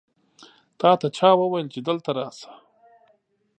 تا ته چا وویل چې دلته راسه؟